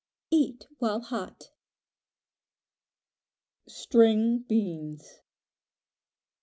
Eat while hot. String Beans.